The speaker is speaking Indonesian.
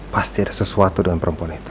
pasti ada sesuatu dengan perempuan itu